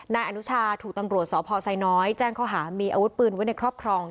นายอนุชาถูกตำรวจสพไซน้อยแจ้งข้อหามีอาวุธปืนไว้ในครอบครอง